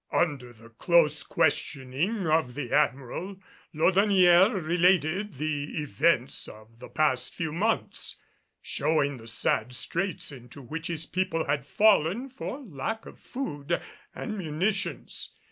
Under the close questioning of the Admiral, Laudonnière related the events of the past few months, showing the sad straits into which his people had fallen for lack of food and munitions.